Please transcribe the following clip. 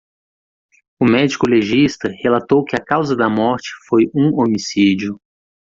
O médico legista relatou que a causa da morte foi um homicídio.